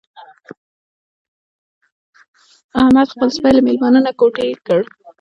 احمد خپل سپی له مېلمانه نه کوتې کړ.